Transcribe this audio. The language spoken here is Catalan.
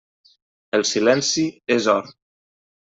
El silenci és or.